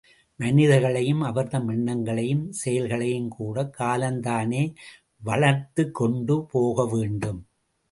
மனிதர்களையும் அவர்தம் எண்ணங்களையும் செயல்களையும்கூடக் காலம்தானே வளர்த்துக்கொண்டு போகவேண்டும்?